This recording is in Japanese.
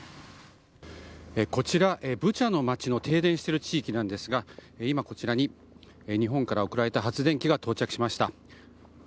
こちら、ブチャの街の停電している地域なんですが、今、こちらに、日本から送られた発電機が到着しました。